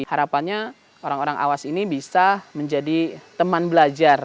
harapannya orang orang awas ini bisa menjadi teman belajar